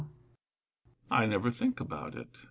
I never think about it.